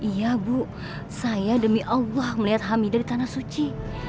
iya bu saya demi allah melihat hamidah di tanah suci